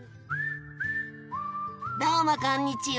どうもこんにちは。